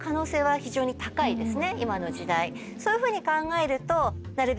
今の時代そういうふうに考えると。